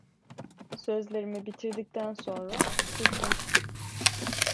Sözlerimi bitirdikten sonra sustum.